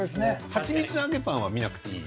はちみつ揚げパンは見なくていい？